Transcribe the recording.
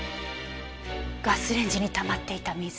ガスレンジに溜まっていた水。